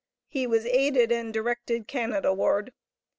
He was aided and directed Canada ward.